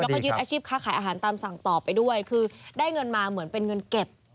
แล้วก็ยึดอาชีพค้าขายอาหารตามสั่งต่อไปด้วยคือได้เงินมาเหมือนเป็นเงินเก็บ